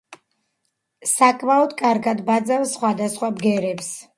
საკმაოდ კარგად ბაძავს სხვადასხვა ბგერებს.